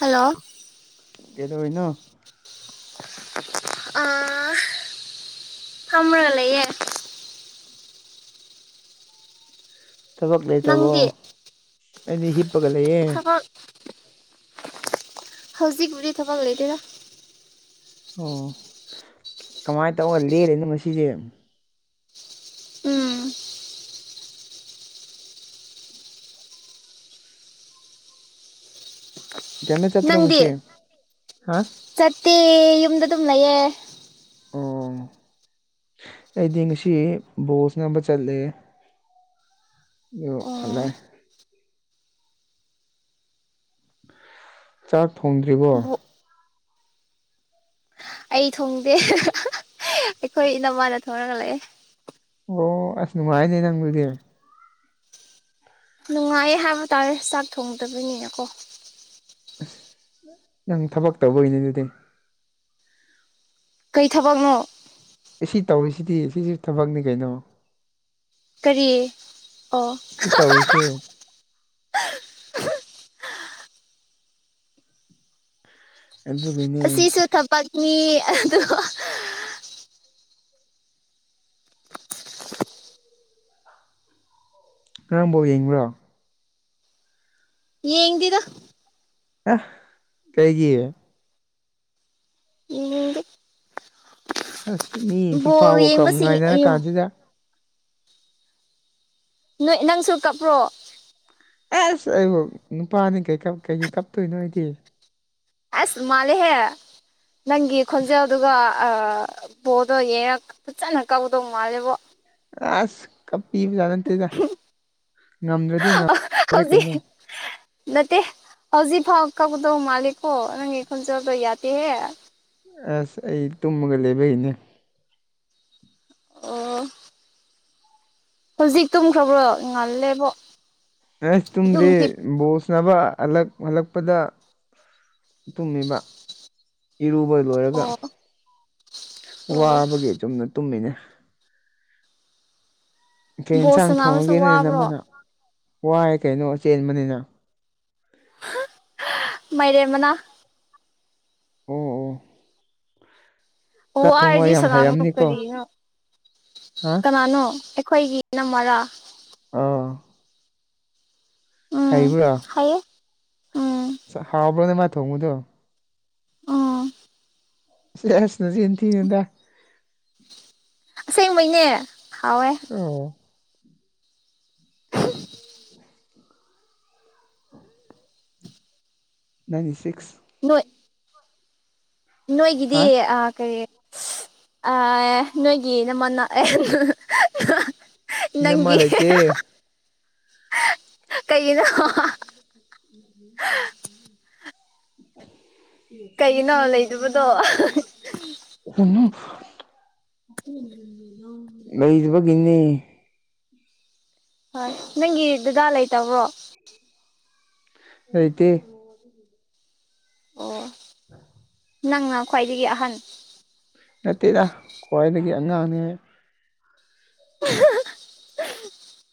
hello ꯀꯩꯗꯧꯔꯤꯅꯣ ꯑꯥ ꯐꯝꯔꯒ ꯂꯩꯌꯦ ꯊꯕꯛ ꯂꯩꯇ꯭ꯔꯕꯣ ꯅꯪꯗꯤ ꯑꯩꯗꯤ ꯍꯤꯞꯄꯒ ꯂꯩꯌꯦ ꯍꯧꯖꯤꯛꯕꯨꯨꯗꯤ ꯊꯕꯛ ꯂꯩꯇꯦꯗꯥ ꯑꯣ ꯀꯃꯥꯏ ꯇꯧꯒ ꯂꯦꯜꯂꯤꯅꯣ ꯉꯁꯤꯁꯦ ꯎꯝ ꯀꯩꯝꯇ ꯆꯠꯇ꯭ꯔꯣ ꯅꯪꯗꯤ ꯉꯁꯤ ꯍꯥ ꯆꯠꯇꯦ ꯌꯨꯝꯗ ꯑꯗꯨꯝ ꯂꯩꯌꯦ ꯑꯣ ꯑꯩꯗꯤ ꯉꯁꯤ ꯕꯣꯜ ꯁꯟꯅꯕ ꯆꯠꯂꯦ ꯑꯣ ꯍꯂꯛꯑꯦ ꯆꯥꯛ ꯊꯣꯡꯗ꯭ꯔꯤꯕꯣ ꯕꯨ ꯑꯩ ꯊꯣꯡꯗꯦ ꯍꯥꯍꯥꯍꯥ ꯑꯩꯈꯣꯏ ꯏꯅꯝꯃꯅ ꯊꯣꯡꯔꯒ ꯂꯩꯌꯦ ꯑꯣ ꯑꯁ ꯅꯨꯡꯉꯥꯏꯅꯦ ꯅꯪꯗꯨꯗꯤ ꯅꯨꯡꯉꯥꯏ ꯍꯥꯏꯕ ꯇꯥꯔꯦ ꯆꯥꯛ ꯊꯣꯡꯗꯕꯅꯤꯅꯀꯣ ꯅꯪ ꯊꯕꯛ ꯇꯧꯕꯒꯤꯅꯦ ꯑꯗꯨꯗꯤ ꯀꯩ ꯊꯕꯛꯅꯣ ꯁꯤꯗꯤ ꯁꯤꯁꯨ ꯊꯕꯛꯅꯤ ꯀꯩꯅꯣ ꯀꯔꯤ ꯑꯣ ꯁꯤ ꯍꯥꯍꯥꯍꯥ ꯇꯧꯔꯤꯁꯦ ꯑꯍꯝ ꯑꯗꯨꯒꯤꯅꯦ ꯃꯤ ꯑꯗꯨ ꯍꯥꯍꯥ ꯉꯔꯥꯡ ꯕꯣꯜ ꯌꯦꯡꯕ꯭ꯔꯣ ꯌꯦꯡꯗꯦꯗ ꯑꯥ ꯀꯩꯒꯤ ꯌꯦꯡꯅꯤꯡꯗꯦ ꯑꯁ ꯃꯤ ꯐꯤꯐꯥ ꯕꯣꯜ ꯋꯥꯂꯗ ꯀꯥꯄ ꯌꯦꯡꯕꯁꯤꯡ ꯉꯥꯏꯅꯔ ꯀꯥꯟꯁꯤꯗ ꯅꯣꯏ ꯅꯪꯁꯨ ꯀꯞꯄ꯭ꯔꯣ ꯑꯁ ꯑꯩꯕꯨ ꯅꯨꯄꯥꯅꯤ ꯀꯩ ꯀꯩꯒꯤ ꯀꯞꯇꯣꯏꯅꯣ ꯑꯩꯗꯤ ꯑꯁ ꯃꯥꯜꯂꯦꯍꯦ ꯅꯪꯒꯤ ꯈꯣꯟꯖꯦꯜꯗꯨꯒ ꯑꯥ ꯕꯦꯜꯗꯣ ꯌꯦꯔꯒ ꯐꯖꯅ ꯀꯞꯀꯗꯧ ꯃꯥꯜꯂꯦꯕꯣ ꯑꯁ ꯀꯞꯄꯤꯕꯖꯥꯠ ꯅꯠꯇꯦꯗ ꯉꯝꯗ꯭ꯔꯗꯤ ꯉꯝꯗ꯭ꯔꯦ ꯍꯧꯖꯤꯛ ꯀꯩꯅꯣ ꯅꯠꯇꯦ ꯍꯧꯖꯤꯛꯐꯥꯎ ꯀꯞꯀꯗꯧ ꯃꯥꯜꯂꯦꯀꯣ ꯅꯪꯒꯤ ꯈꯣꯜꯖꯦꯜꯗꯣ ꯌꯥꯗꯦꯍꯦ ꯑꯁ ꯑꯩ ꯇꯨꯝꯃꯒ ꯂꯩꯕꯩꯅꯦ ꯑꯣ ꯍꯧꯖꯤꯛ ꯇꯨꯝꯈ꯭ꯔꯕ꯭ꯔꯣ ꯉꯜꯂꯦꯕꯣ ꯑꯦꯁ ꯑꯗꯨꯝ ꯇꯧꯝꯗꯔꯤ ꯍꯤꯞ ꯕꯣꯜ ꯁꯥꯟꯅꯕ ꯍꯂꯛ ꯍꯜꯂꯛꯄꯗ ꯇꯨꯝꯃꯤꯕ ꯏꯔꯨꯕ ꯂꯣꯏꯔꯒ ꯑꯣ ꯑꯣ ꯋꯥꯕꯒꯤ ꯆꯨꯝꯅ ꯇꯨꯝꯃꯤꯅꯦ ꯀꯩ ꯕꯣꯜ ꯏꯟꯁꯥꯡ ꯁꯥꯟꯅꯕꯁꯨ ꯊꯣꯡꯉꯒꯦ ꯅꯣꯏ ꯋꯥꯕ꯭ꯔꯣ ꯅꯅꯝꯃꯅ ꯋꯥꯏ ꯀꯩꯅꯣ ꯆꯦꯟꯕꯅꯤꯅ ꯑꯥ ꯍꯥꯍꯥ ꯃꯥꯏꯔꯦꯟ ꯃꯅꯥ ꯑꯣ ꯑꯣ ꯑꯣ ꯆꯥꯛ ꯊꯣꯡꯕ ꯋꯥꯔꯗꯤ ꯌꯥꯝ ꯁꯥꯅꯒꯅꯣ ꯍꯩꯔꯝꯅꯤꯀꯣ ꯀꯔꯤꯅꯣ ꯍꯥ ꯀꯥꯅꯥꯅꯣ ꯑꯩꯈꯣꯏꯒꯤ ꯅꯪ ꯃꯔꯥ ꯑꯥ ꯎꯝ ꯍꯩꯕ꯭ꯔꯥ ꯍꯥꯏꯌꯦ ꯎꯝ ꯊꯣꯡꯕꯗꯨ ꯎꯝ ꯁꯦꯁ ꯅꯆꯤꯟ ꯊꯤꯅꯨꯗ ꯑꯁꯦꯡꯕꯩꯅꯦ ꯍꯥꯎꯋꯦ ꯑꯣ [inaudible] ꯅꯪꯒꯤ ꯁꯤꯛꯁ ꯅꯣꯏ ꯅꯣꯏꯒꯤꯗꯤ ꯍꯥ ꯑꯥ ꯀꯔꯤ ꯑꯥ ꯅꯣꯏꯒꯤ ꯅꯃꯅ ꯑꯍꯥ ꯑꯍꯥ ꯏꯅꯝꯃ ꯂꯩꯥꯇꯦ ꯍꯥ [unintelligible] ꯀꯩꯒꯤꯅꯣ ꯂꯩꯇꯕꯗꯣ ꯎ [unintelligible] ꯂꯩꯗꯕꯒꯤꯅꯦ ꯍꯣꯏ ꯅꯪꯒꯤ ꯗꯥꯗꯥ ꯂꯩꯇꯕ꯭ꯔꯣ ꯂꯩꯇꯦ ꯑꯣ ꯅꯪꯅ ꯈ꯭ꯋꯥꯏꯗꯒꯤ ꯑꯍꯟ ꯅꯠꯇꯦꯗ ꯈ꯭ꯋꯥꯏꯗꯒꯤ ꯑꯉꯥꯡꯅꯦ ꯑꯍꯥ ꯍꯥ ꯍꯥ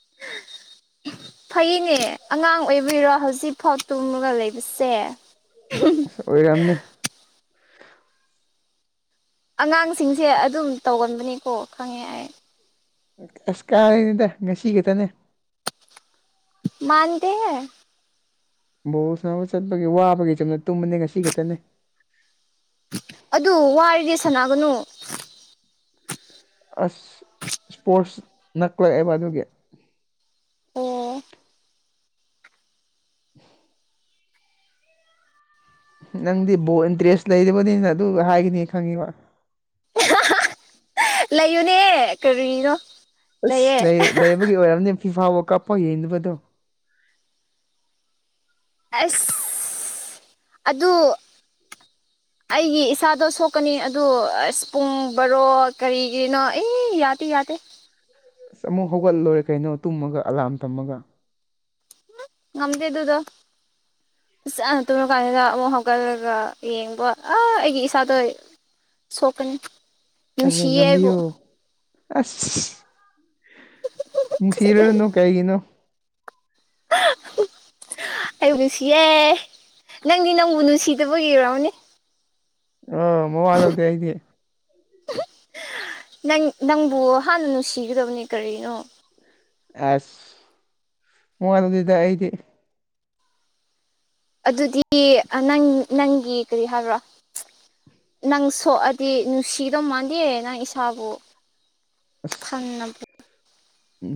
ꯑ [inaudible] ꯐꯩꯌꯦꯅꯦ ꯑꯉꯥꯡ ꯑꯣꯏꯕꯩꯔꯣ ꯍꯧꯖꯤꯛꯐꯥꯎ ꯇꯨꯝꯃꯒ ꯂꯩꯕꯁꯦ ꯑꯁ ꯑꯣꯏꯔꯝꯅꯤ ꯑꯉꯥꯡꯁꯤꯡꯁꯦ ꯑꯗꯨꯝ ꯇꯧꯒꯟꯕꯅꯤꯀꯣ ꯈꯪꯉꯦ ꯑꯩ ꯑꯁ ꯀꯥꯏꯗꯒꯤꯅꯣꯗ ꯉꯁꯤꯈꯛꯇꯅꯦ ꯃꯥꯟꯗꯦꯍꯦ ꯕꯣꯜ ꯁꯥꯟꯅꯕ ꯆꯠꯄꯒꯤ ꯋꯥꯕꯒꯤ ꯆꯨꯝꯅ ꯇꯨꯝꯕꯅꯦ ꯉꯁꯤ ꯈꯛꯇꯅꯦ ꯑꯗꯨ ꯋꯥꯔꯗꯤ ꯁꯟꯅꯥꯒꯅꯨ ꯑꯁ ꯁ꯭ꯄꯣꯔꯠꯁ ꯅꯛꯂꯛꯑꯦꯕ ꯑꯗꯨꯒꯤ ꯑꯣ [inaudible] ꯅꯪꯗꯤ ꯕꯣꯜ ꯏꯟꯇꯔꯦꯁ ꯂꯩꯔꯤꯕꯅꯤꯅ ꯑꯗꯨ ꯍꯥꯏꯒꯅꯤ ꯈꯪꯉꯤꯕ ꯂꯩꯌꯨꯅꯦ ꯀꯔꯤꯅꯣ ꯑꯁ ꯂꯩꯌꯦ ꯂꯩ ꯂꯩꯕꯒꯤ ꯑꯣꯏꯔꯝꯅꯤ ꯐꯤꯐꯥ ꯋꯥꯔꯜ ꯀꯞꯐꯥꯎ ꯌꯦꯡꯗꯕꯗꯣ ꯑꯁ ꯑꯗꯨ [inaudible] ꯑꯩꯒꯤ ꯏꯁꯥꯗꯣ ꯁꯣꯛꯀꯅꯤ ꯑꯗꯨ ꯑꯁ ꯄꯨꯡ ꯕꯔꯣ ꯀꯔꯤꯒꯤꯅꯣ ꯑꯦ ꯌꯥꯗꯦ ꯌꯥꯗꯦ ꯑꯁ ꯑꯃꯨꯛ ꯍꯧꯒꯠꯂꯣꯏꯔꯦ ꯀꯩꯅꯣ ꯇꯨꯝꯃꯒ ꯑꯂꯥꯝ ꯊꯝꯃꯒ ꯎ ꯉꯝꯗꯦ ꯑꯗꯨꯗꯣ ꯐꯆꯥꯅ ꯇꯨꯝꯨꯔ ꯀꯥꯟꯁꯤꯗ ꯑꯃꯨꯛ ꯍꯧꯒꯠꯂꯒ ꯌꯦꯡꯕꯥ ꯑꯥ ꯑꯩꯒꯤ ꯏꯁꯥꯗꯣ ꯁꯣꯛꯀꯅꯤ ꯑꯍꯦ ꯅꯨꯡꯁꯤꯌꯦ ꯑꯩꯕꯨ ꯉꯝꯕꯤꯌꯨ ꯑꯁ ꯅꯨꯡꯁꯤꯔꯨꯅꯨ ꯀꯩꯒꯤꯅꯣ ꯑꯩꯕꯨꯗꯤꯁꯤꯌꯦ ꯅꯪꯗꯤ ꯅꯪꯕꯨ ꯅꯨꯡꯁꯤꯗꯕꯒꯤ ꯑꯣꯏꯔꯝꯅꯤ ꯑꯥ ꯃꯋꯥ ꯂꯧꯗꯦ ꯑꯩꯗꯤ ꯅꯪ ꯅꯪꯕꯨ ꯍꯥꯟꯅ ꯅꯨꯡꯁꯤꯒꯗꯕꯅꯤ ꯀꯔꯤꯅꯣ ꯑꯁ ꯃꯋꯥ ꯂꯧꯗꯦꯗ ꯑꯩꯗꯤ ꯑꯗꯨꯗꯤ ꯅꯪ ꯅꯪꯒꯤ ꯀꯔꯤ ꯍꯥꯏꯕ꯭ꯔꯣ ꯅꯪ ꯁꯣꯛꯑꯗꯤ ꯅꯨꯡꯁꯤꯗꯧ ꯃꯥꯟꯗꯦ ꯅꯪ ꯏꯁꯥꯕꯨ ꯑꯁ ꯊꯪꯅ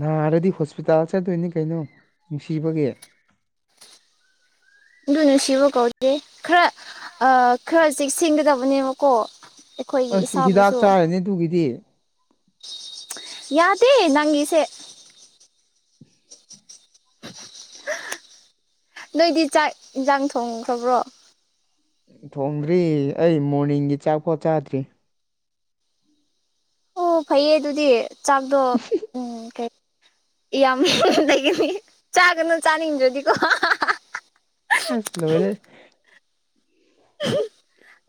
ꯅꯥꯔꯗꯤ ꯍꯣꯁꯄꯤꯇꯥꯜ ꯆꯠꯇꯣꯏꯅꯤ ꯀꯩꯅꯣ ꯅꯨꯡꯁꯤꯕꯒꯤ ꯑꯗꯨ ꯅꯨꯡꯁꯤꯕ ꯀꯧꯗꯦ ꯈꯔ ꯈꯔ ꯆꯦꯛꯁꯤꯟꯒꯗꯕꯅꯦꯕꯀꯣ ꯑꯩꯈꯣꯏꯒꯤ ꯑꯁ ꯍꯤꯗꯥꯛ ꯏꯁꯥꯕꯨꯁꯨ ꯆꯥꯔꯅꯤ ꯑꯗꯨꯒꯤꯗꯤ ꯌꯥꯗꯦ ꯅꯪꯒꯤꯁꯦ [inaudible] ꯅꯣꯏꯗꯤ ꯆꯥꯛ ꯏꯟꯖꯥꯡ ꯊꯣꯡꯈ꯭ꯔꯕ꯭ꯔꯣ ꯊꯣꯡꯗ꯭ꯔꯤ ꯑꯩ ꯃꯣꯔꯅꯤꯡꯒꯤ ꯆꯥꯛꯐꯧ ꯆꯥꯗ꯭ꯔꯤ ꯑꯣ ꯐꯩꯌꯦ ꯑꯗꯨꯗꯤ ꯆꯥꯛꯗꯣ ꯎꯝ ꯀꯩ ꯌꯥꯝ ꯂꯩꯒꯅꯤ ꯆꯥꯒꯅꯨ ꯆꯥꯅꯤꯡꯗ꯭ꯔꯗꯤꯀꯣ ꯍꯥꯍꯥꯍꯥꯍꯥ ꯑꯁ ꯂꯣꯏꯔꯦ ꯑꯍꯤ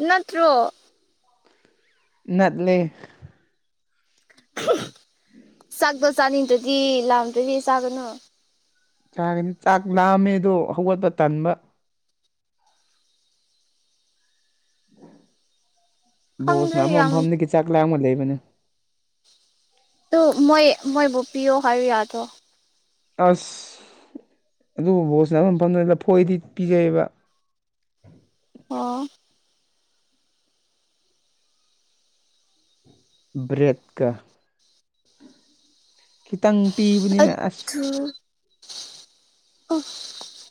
ꯅꯠꯇ꯭ꯔꯣ ꯅꯠꯂꯤ ꯆꯥꯛꯇꯣ ꯆꯥꯅꯤꯡꯗ꯭ꯔꯗꯤ ꯂꯥꯝꯗ꯭ꯔꯗꯤ ꯆꯥꯒꯅꯨ ꯆꯥꯒꯅꯤ ꯆꯥꯛ ꯂꯥꯝꯃꯦꯗꯣ ꯍꯧꯒꯠꯄ ꯇꯟꯕ ꯕꯣꯁꯅ ꯈꯪꯗ꯭ꯔꯦ ꯑꯃ ꯌꯥꯝ ꯃꯐꯝꯗꯒꯤ ꯆꯥꯛ ꯂꯥꯝꯕ ꯂꯩꯕꯅꯦ ꯇꯣ ꯃꯣꯏ ꯃꯣꯏꯕꯨ ꯄꯤꯑꯣ ꯍꯥꯏꯌꯨ ꯌꯥꯗ꯭ꯔꯣ ꯑꯁ ꯑꯗꯨ ꯕꯣꯁꯅꯕ ꯃꯐꯝꯗꯨ ꯂꯐꯣꯏꯗꯤ ꯄꯤꯖꯩꯑꯕ ꯑꯣ ꯕ꯭ꯔꯦꯠꯀ ꯈꯤꯇꯪ ꯄꯤꯕꯅꯤꯅ ꯑꯁ ꯎꯁ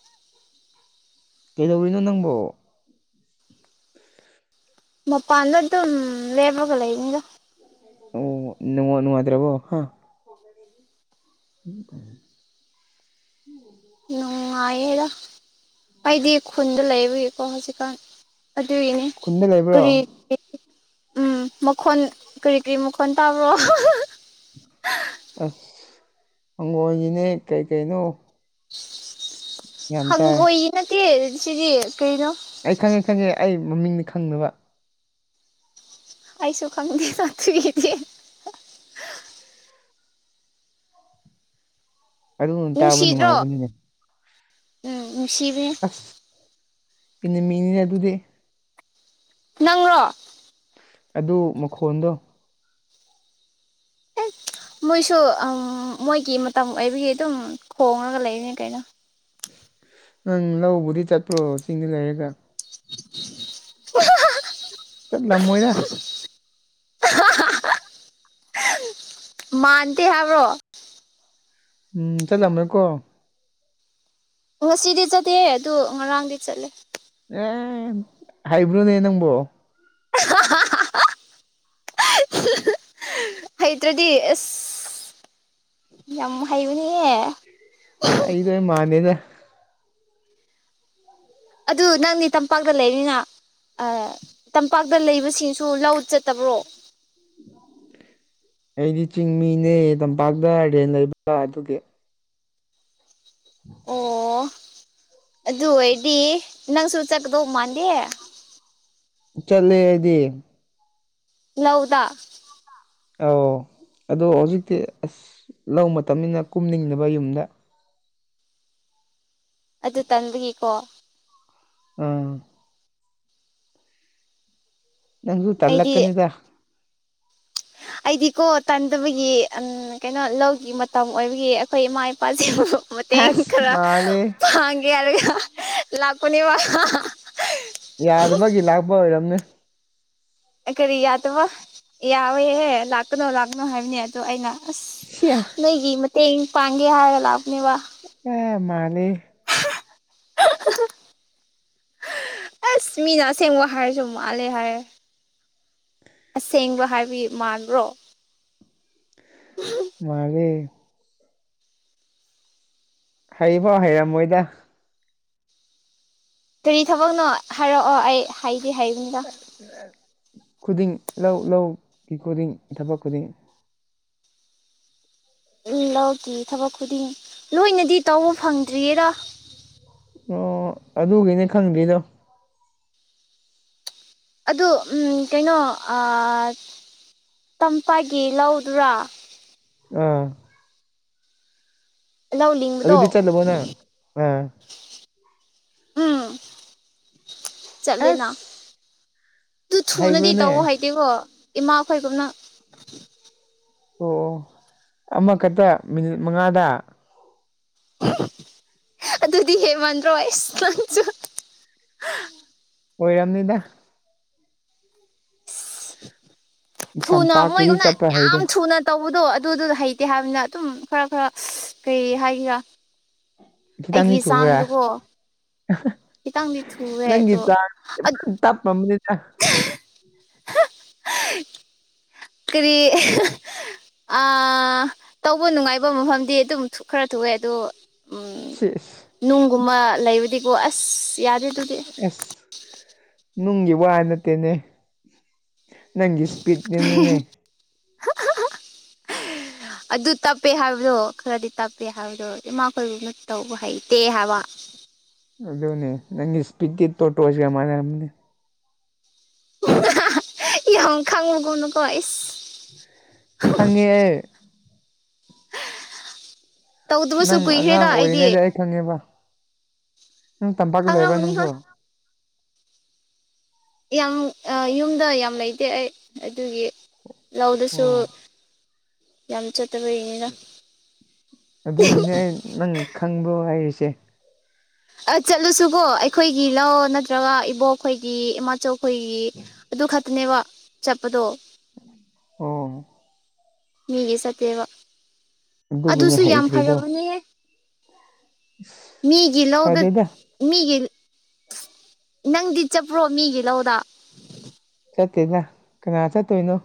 ꯀꯩꯗꯧꯔꯤꯅꯣ ꯅꯪꯕꯣ ꯃꯄꯥꯟꯗ ꯑꯗꯨꯝ ꯂꯦꯞꯕꯒ ꯂꯩꯕꯅꯤꯗ ꯑꯣ ꯅꯨꯡ ꯅꯨꯉꯥꯢꯇ꯭ꯔꯥꯕꯣ ꯍꯥ [inaudible] ꯅꯨꯡꯉꯥꯏꯌꯦꯗ ꯑꯩꯗꯤ ꯈꯨꯟꯗ ꯂꯩꯕꯒꯤꯀꯣ ꯍꯧꯖꯤꯛꯀꯥꯟ ꯑꯗꯨꯒꯤꯅꯦ ꯈꯨꯟꯗ ꯀꯔꯤ ꯂꯩꯕ꯭ꯔꯣ ꯎꯝ ꯃꯈꯣꯟ ꯀꯔꯤ ꯀꯔꯤ ꯃꯈꯣꯟ ꯇꯥꯕ꯭ꯔꯣ ꯍꯤꯍꯤꯍꯤ ꯑꯁ ꯍꯪꯉꯣꯏꯒꯤꯅꯦ ꯀꯩꯀꯩꯅꯣ ꯍꯪꯒꯣꯏ ꯒꯤ ꯅꯠꯇꯦ ꯁꯤꯗꯤ ꯀꯔꯤꯅꯣ ꯑꯩ ꯈꯪꯉꯦ ꯈꯪꯉꯦ ꯑꯩ ꯃꯃꯤꯡꯗꯤ ꯈꯪꯗꯕ ꯑꯩꯥꯁꯨ ꯈꯪꯗꯦꯗ ꯑꯗꯨꯒꯤꯗꯤ ꯍꯥꯍꯥꯍꯥ ꯑꯗꯨꯝ ꯇꯥꯕ ꯅꯨꯡꯁꯤꯗ꯭ꯔꯣ ꯅꯨꯡꯉꯥꯏꯕꯅꯤꯅꯦ ꯎꯝ ꯅꯨꯡꯁꯤꯕꯅꯦ ꯑꯁ ꯏꯅꯤꯃꯤꯅꯤꯅꯦ ꯑꯗꯨꯗꯤ ꯅꯪꯔꯣ ꯑꯗꯨ ꯃꯈꯣꯟꯗꯣ [inaudible] ꯃꯣꯏꯁꯨꯎꯜꯜ ꯃꯣꯏꯒꯤ ꯃꯇꯝ ꯑꯣꯏꯕꯒꯤ ꯑꯗꯨꯝ ꯈꯣꯡꯉꯒ ꯂꯩꯕꯅꯦ ꯀꯩꯅꯣ ꯅꯪ ꯂꯧꯕꯨꯗꯤ ꯆꯠꯄ꯭ꯔꯣ ꯆꯤꯡꯗ ꯂꯩꯔꯒ ꯑꯍꯥꯍꯥ ꯆꯠꯂꯝꯃꯣꯏꯗ ꯑꯍꯥꯍꯥ ꯃꯥꯥꯟꯇꯦ ꯍꯥꯏꯕ꯭ꯔꯣ ꯎꯝ ꯆꯠꯂꯝꯔꯣꯢꯀꯣ ꯉꯁꯤꯗꯤ ꯆꯠꯇꯤꯌꯦ ꯑꯗꯣ ꯉꯔꯥꯡꯗꯤ ꯆꯠꯂꯦ ꯑꯦ ꯍꯥꯏꯕ꯭ꯔꯨꯅꯦ ꯅꯪꯕꯣ ꯍꯤꯍꯤ ꯍꯩꯇ꯭ꯔꯗꯤ ꯑꯁ ꯌꯥꯝ ꯍꯩꯕꯅꯤꯍꯦ ꯑꯩꯗꯣ ꯃꯥꯟꯗꯦꯗ ꯑꯗꯨ ꯅꯪꯗꯤ ꯇꯝꯄꯥꯛꯇ ꯂꯩꯔꯤꯅ ꯑꯥ ꯇꯝꯄꯥꯛꯇ ꯂꯩꯕꯁꯤꯡꯁꯨ ꯂꯧ ꯆꯠꯇꯕ꯭ꯔꯣ ꯑꯩꯗꯤ ꯆꯤꯡꯃꯤꯅꯦ ꯇꯝꯄꯥꯛꯇ ꯔꯦꯟ ꯂꯩꯕ ꯑꯗꯨꯒꯤ ꯑꯣ [inaudible] ꯑꯗꯨ ꯑꯣꯏꯗꯤ ꯅꯪꯁꯨ ꯆꯠꯀꯗꯧ ꯃꯥꯟꯗꯦ ꯆꯠꯂꯦ ꯑꯩꯗꯤ ꯂꯧꯗ ꯑꯧ ꯑꯗꯣ ꯍꯧꯖꯤꯛꯇꯤ ꯑꯁ ꯂꯧ ꯃꯇꯝꯅꯤꯅ ꯀꯨꯝꯅꯤꯡꯗꯕ ꯌꯨꯝꯗ ꯑꯗꯨ ꯇꯟꯕꯒꯤꯀꯣ ꯎꯝ ꯅꯪꯁꯨ ꯑꯩꯗꯤ ꯇꯜꯂꯛꯀꯅꯤꯗ [inaudible] ꯑꯩꯗꯤꯀꯣ ꯇꯟꯗꯕꯒꯤ ꯑ ꯀꯩꯅꯣ ꯂꯧꯒꯤ ꯃꯇꯝ ꯑꯣꯏꯕꯒꯤ ꯑꯩꯈꯣꯏ ꯏꯃꯥ ꯏꯄꯥꯁꯤꯡꯕꯨ ꯃꯇꯦꯡ ꯑꯁ ꯈꯔ ꯃꯥꯜꯂꯦ ꯄꯥꯡꯒꯦ ꯌꯥꯢꯔꯒ ꯂꯥꯛꯄꯅꯦꯕ ꯌꯥꯗꯕꯒꯤ ꯂꯥꯛꯄ ꯑꯣꯏꯔꯝꯅꯦ ꯀꯔꯤ ꯌꯥꯗꯕ ꯌꯥꯎꯋꯦꯍꯦ ꯂꯥꯛꯀꯅꯣ ꯂꯥꯛꯀꯅꯣ ꯍꯥꯏꯕꯅꯦ ꯑꯗꯣ ꯑꯩꯅ ꯑꯁ ꯁꯤꯌꯥ ꯅꯣꯏꯒꯤ ꯃꯇꯦꯡ ꯄꯥꯡꯒꯦ ꯍꯥꯏꯔ ꯂꯥꯛꯄꯅꯦꯕ ꯃꯥꯂꯦ [inaudible] ꯑꯁ ꯃꯤꯅ ꯑꯁꯦꯡꯕ ꯍꯥꯏꯔꯁꯨ ꯃꯥꯜꯂꯦ ꯍꯥꯏꯔꯦ ꯑꯁꯦꯡꯕ ꯍꯥꯏꯕꯒꯤ ꯃꯥꯟꯕ꯭ꯔꯣ ꯃꯥꯂꯦ ꯍꯩꯕꯧ ꯍꯩꯔꯝꯃꯣꯏꯗ ꯀꯔꯤ ꯊꯕꯛꯅꯣ ꯍꯥꯏꯔꯛꯑꯣ ꯑꯩ ꯍꯥꯏ ꯈꯨꯗꯤꯡ ꯂꯧ ꯂꯧꯒꯤ ꯈꯨꯗꯤꯡ ꯊꯕꯛ ꯈꯨꯗꯤꯡ ꯎꯝ ꯂꯧꯀꯤ ꯊꯕꯛ ꯈꯨꯗꯤꯡ ꯂꯣꯏꯅꯗꯤ ꯇꯧꯕ ꯐꯪꯗ꯭ꯔꯤꯌꯦꯗ ꯑꯣ ꯑꯗꯨꯒꯤꯅꯦ ꯈꯪꯗ꯭ꯔꯤꯗꯣ ꯑꯗꯣ ꯑꯝ ꯀꯩꯅꯣ ꯑꯥ ꯇꯝꯄꯥꯛꯒꯤ ꯂꯧꯗꯨꯔ ꯑꯥ ꯂꯧ ꯂꯤꯡꯕꯗꯣ ꯑꯗꯨꯗꯤ ꯆꯠꯂꯕꯣ ꯅꯪ ꯑꯥ ꯑꯝ ꯆꯠꯂꯦꯅ ꯑꯁ ꯑꯗꯨ ꯊꯨꯅꯗꯤ ꯍꯩꯕ꯭ꯔꯣꯅꯦ ꯇꯧꯋ ꯍꯩꯇꯦꯀꯣ ꯏꯃꯥ ꯈꯣꯏꯒꯨꯝꯅ ꯑꯣ ꯑꯣ ꯑꯃꯈꯛꯇ ꯃꯤꯅꯤꯠ ꯃꯉꯥꯗ ꯑꯗꯨꯗꯤ ꯍꯦꯃꯟꯗ꯭ꯔꯣ ꯅꯪꯁꯨ ꯑꯣꯏꯔꯝꯅꯤꯗ ꯊꯨꯅ ꯇꯝꯄꯥꯛꯀꯤꯗꯤ ꯃꯣꯏꯒꯨꯝꯅ ꯆꯠꯄ ꯌꯥꯝ ꯍꯩꯔꯦ ꯊꯨꯅ ꯇꯧ ꯕꯗꯣ ꯑꯗꯨꯗꯨ ꯍꯩꯇꯦ ꯍꯥꯏꯕꯅꯤꯅ ꯑꯗꯨꯝ ꯈꯔ ꯈꯔ ꯀꯩ ꯍꯥꯏꯒꯦꯔꯥ ꯈꯤꯇꯪꯗꯤ ꯑꯩꯒꯤ ꯊꯨꯕ꯭ꯔꯥ ꯆꯥꯡꯗꯀꯣ ꯅꯪꯒꯤ ꯆꯥꯡ ꯇꯞꯄꯝꯅꯤꯗ [inaudible] ꯀꯔꯤ ꯑꯍꯦ ꯍꯦ ꯑ ꯇꯧꯕ ꯅꯨꯡꯉꯥꯏꯕ ꯃꯐꯝꯗꯤ ꯑꯗꯨꯝ ꯈꯔ ꯊꯨꯏꯑꯦ ꯑꯗꯣ ꯁꯤꯁ ꯒꯨꯨꯝꯕ ꯂꯩꯕꯗꯤꯀꯣ ꯑꯁ ꯌꯥꯗꯦ ꯑꯗꯨꯗꯤ ꯑꯁ ꯅꯨꯡꯒꯤ ꯋꯥ ꯅꯠꯇꯦꯅꯦ ꯅꯪꯒꯤ ꯏꯁꯄꯤꯠꯇꯅꯤꯅꯦ [inaudible] ꯑꯗꯨ ꯇꯞꯄꯦ ꯍꯥꯏꯕꯗꯣ ꯈꯔꯗꯤ ꯇꯞꯄꯦ ꯍꯥꯏꯕꯗꯣ ꯏꯃꯥꯈꯣꯏꯒꯨꯝꯅ ꯇꯧꯕ ꯍꯩꯇꯦ ꯍꯥꯏꯕ ꯑꯗꯨꯅꯦ ꯅꯪꯒꯤ ꯁꯄ꯭ꯔꯤꯠ ꯇꯤ ꯇ꯭ꯔꯣꯇꯣꯏꯁꯒ ꯃꯥꯅꯔꯅꯤ ꯏ ꯌꯥꯝ ꯈꯪꯒꯅꯨꯀꯣ ꯅꯈꯣꯏ ꯈꯪꯉꯦ ꯇꯧꯗꯕꯁꯨ ꯅꯪ ꯀꯨꯏꯈ꯭ꯔꯦꯗ ꯑꯉꯥꯡ ꯑꯩꯗꯤ ꯑꯣꯏꯔꯤꯉꯩꯗ ꯑꯩ ꯈꯪꯉꯦꯕ ꯅꯪ ꯇꯝꯄꯥꯛꯇ ꯂꯩꯕ꯭ꯔꯥ ꯈꯪꯔꯝꯃꯅꯤ ꯍꯣꯏ ꯌꯥꯝ ꯌꯨꯝꯗ ꯌꯥꯝ ꯂꯩꯇꯦ ꯑꯩ ꯑꯗꯨꯒꯤ ꯂꯧꯗꯁꯨ ꯑꯣ ꯌꯥꯝ ꯆꯠ ꯑꯗꯨꯒꯤꯅꯦ ꯑꯩ ꯅꯪ ꯈꯪꯕ꯭ꯔꯣ ꯍꯥꯏꯔꯤꯁꯦ ꯑ ꯆꯠꯂꯨꯁꯨꯀꯣ ꯑꯩꯈꯣꯏꯒꯤ ꯂꯧ ꯅꯠꯇ꯭ꯔꯒ ꯏꯕꯣꯛꯈꯣꯏꯒꯤ ꯏꯃꯥꯆꯧ ꯑꯩꯈꯣꯏꯒꯤ ꯑꯗꯨ ꯈꯛꯇꯅꯦꯕ ꯆꯠꯄꯗꯣ ꯑꯣ ꯃꯤꯒꯤ ꯆꯠꯇꯦꯕ ꯑꯗꯨꯒꯤꯅꯦ ꯑꯗꯨꯁꯨ ꯌꯥꯝ ꯐꯔꯕꯅꯦ ꯍꯩꯇ꯭ꯔꯤꯗꯣ ꯃꯤꯒꯤ ꯂꯧꯗ ꯐꯗꯦꯗ ꯃꯤꯒꯤ ꯅꯪꯗꯤ ꯆꯠꯄ꯭ꯔꯣ ꯃꯤꯒꯤ ꯂꯧꯗꯥ ꯆꯠꯇꯦꯗ ꯀꯅꯥ ꯆꯠꯇꯣꯏꯅꯣ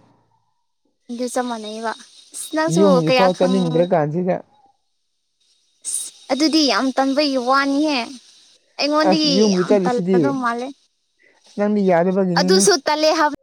ꯑꯗꯨ ꯆꯞ ꯃꯥꯟꯅꯩꯕ ꯑ ꯅꯁꯨ ꯌꯨꯝꯒꯤ ꯀꯌꯥ ꯐꯥꯎ ꯈꯪꯉ ꯆꯠꯅꯤꯡꯗ꯭ꯔ ꯀꯥꯟꯁꯤꯗ ꯑꯁ ꯑꯗꯨꯗꯤ ꯌꯥꯝ ꯇꯟꯝꯕꯒꯤ ꯋꯥꯅꯤꯍꯦ ꯑꯁ ꯑꯩꯉꯣꯟꯗꯒꯤ ꯌꯨꯝꯒꯤ ꯌꯥꯝ ꯇꯜꯂꯒꯗꯧ ꯆꯠꯂꯤꯁꯤꯗꯤ ꯃꯥꯜꯂꯦ ꯅꯪꯗꯤ ꯌꯥꯏ ꯑꯗꯨꯗꯁꯨ ꯇꯜꯂꯦ ꯍꯥꯏꯕ